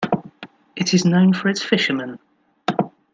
It is known for its fishermen.